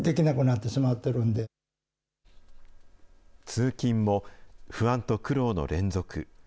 通勤も不安と苦労の連続。